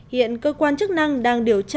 hiện cơ quan chức năng đang điều khiển